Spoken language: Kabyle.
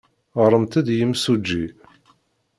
Ɣremt-d i yimsujji.